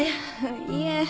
いえ。